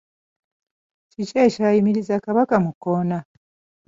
Kiki ekyayimiriza Kabaka mu kkoona?